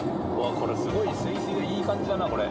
これ、すごいすいすいでいい感じだな、これ。